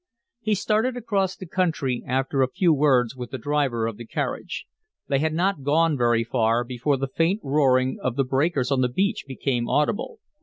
He started across the country, after a few words with the driver of the carriage; they had not gone very far before the faint roaring of the breakers on the beach became audible.